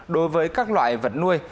đối với các loại vật nuôi